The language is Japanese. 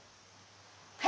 はい。